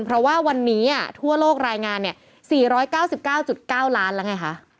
เพราะว่าวันนี้ทั่วโลกรายงาน๔๙๙๙ล้านแล้วไงคะ